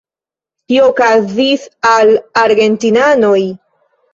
Kio okazis al argentinanoj?